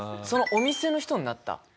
そのお店の人になった？